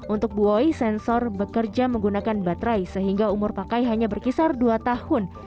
untuk buoy sensor bekerja menggunakan baterai sehingga umur pakai hanya berkisar dua tahun